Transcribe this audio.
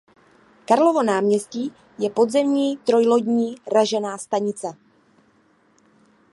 Karlovo náměstí je podzemní trojlodní ražená stanice.